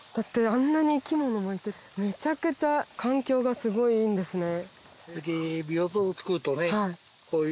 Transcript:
あんなに生き物もいてめちゃくちゃ環境がすごいいいんですね。